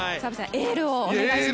エールをお願いします。